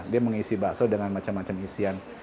dia mengisi bakso dengan macam macam isian